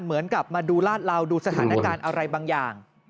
เหมือนกับมาดูลาดเหลาดูสถานการณ์อะไรบางอย่าง